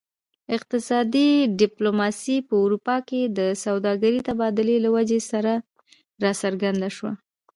اقتصادي ډیپلوماسي په اروپا کې د سوداګرۍ تبادلې له ودې سره راڅرګنده شوه